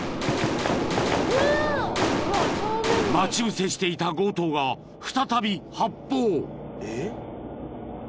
［待ち伏せしていた強盗が再び発砲］